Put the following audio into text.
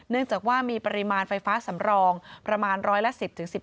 เนื่องจากว่ามีปริมาณไฟฟ้าสำรองประมาณร้อยละ๑๐๑๕